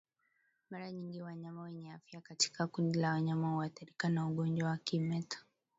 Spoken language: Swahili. Mara nyingi wanyama wenye afya katika kundi la wanyama huathirika na ugonjwa wa kimeta